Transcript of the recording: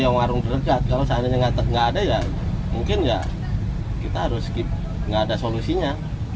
yang warung dergat kalau saatnya nggak ada ya mungkin ya kita harus skip nggak ada solusinya